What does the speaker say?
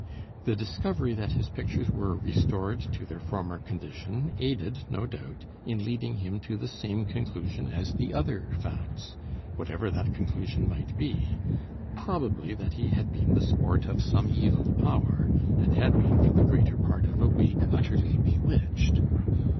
The discovery that his pictures were restored to their former condition aided, no doubt, in leading him to the same conclusion as the other facts, whatever that conclusion might be probably that he had been the sport of some evil power, and had been for the greater part of a week utterly bewitched.